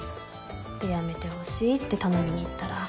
でやめてほしいって頼みに行ったら。